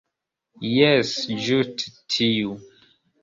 Jes, ĝuste tiu.